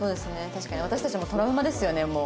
確かに私たちもトラウマですよねもう。